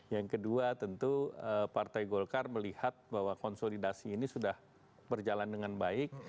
yang kedua tentu partai golkar melihat bahwa konsolidasi ini sudah berjalan dengan baik